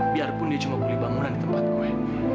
biarpun dia cuma pulih bangunan di tempat gue